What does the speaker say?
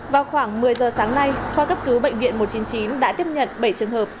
vào khoảng một mươi giờ sáng nay khoa cấp cứu bệnh viện một trăm chín mươi chín đã tiếp nhận bảy trường hợp